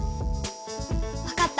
わかった。